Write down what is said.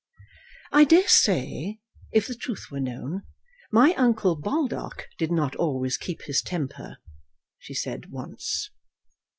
"I daresay, if the truth were known, my uncle Baldock did not always keep his temper," she once said.